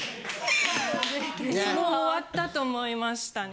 もう終わったと思いましたね。